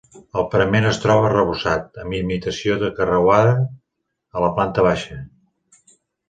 El parament es troba arrebossat, amb imitació de carreuada a la planta baixa.